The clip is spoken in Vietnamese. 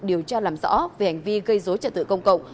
điều tra làm rõ về hành vi gây dối trật tự công cộng